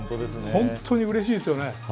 本当にうれしいですよね。